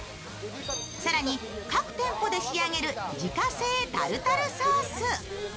更に各店舗で仕上げる自家製タルタルソース。